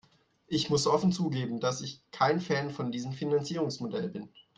Ich muss offen zugeben, dass ich kein Fan von diesem Finanzierungsmodell bin.